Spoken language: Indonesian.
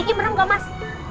iki belum gak mas